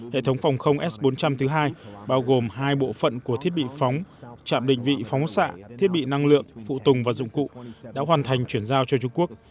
hệ thống phòng không s bốn trăm linh thứ hai bao gồm hai bộ phận của thiết bị phóng chạm định vị phóng xạ thiết bị năng lượng phụ tùng và dụng cụ đã hoàn thành chuyển giao cho trung quốc